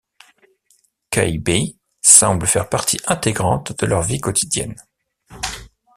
Cai Be semble faire partie intégrante de leur vie quotidienne.